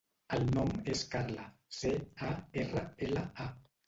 El nom és Carla: ce, a, erra, ela, a.